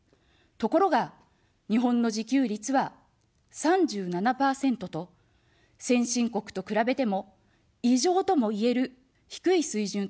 ところが、日本の自給率は３７％と、先進国と比べても、異常ともいえる低い水準となっています。